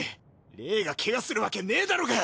霊がけがするわけねえだろが！！